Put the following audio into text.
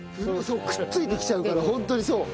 くっついてきちゃうからホントにそう。